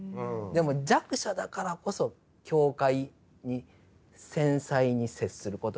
でも弱者だからこそ境界に繊細に接することができる。